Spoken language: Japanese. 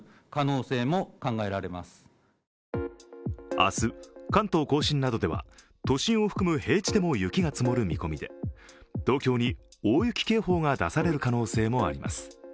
明日、関東甲信などでは都心を含む平地でも雪が降る見込みで、東京に大雪警報が出される可能性もあります。